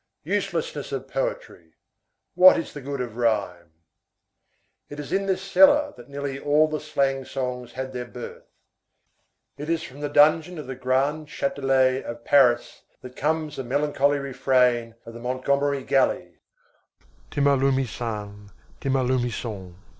Uselessness of poetry. What is the good of rhyme? It is in this cellar that nearly all the slang songs had their birth. It is from the dungeon of the Grand Châtelet of Paris that comes the melancholy refrain of the Montgomery galley: _"Timaloumisaine, timaloumison."